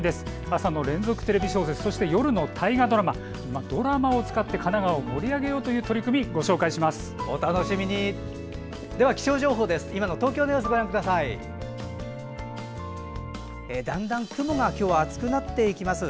朝の連続テレビ小説そして夜の大河ドラマドラマを使って神奈川を盛り上げようという取り組みをでは気象情報今の東京の様子です。